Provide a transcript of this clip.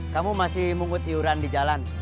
kamu masih mungut iuran di jalan